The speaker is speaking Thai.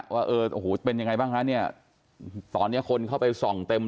ว่าเป็นยังไงบ้างล่ะเนี่ยตอนนี้คนเข้าไปส่องเต็มเลย